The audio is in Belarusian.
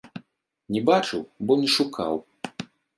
Не бачыў, бо не шукаў!